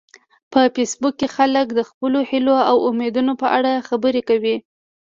په فېسبوک کې خلک د خپلو هیلو او امیدونو په اړه خبرې کوي